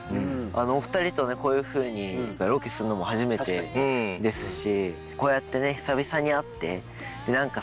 お２人とこういうふうにロケするのも初めてですし。